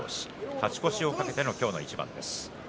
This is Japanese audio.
勝ち越しを懸けての今日の一番です。